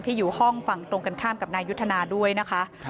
อยู่ห้องฝั่งตรงกันข้ามกับนายยุทธนาด้วยนะคะ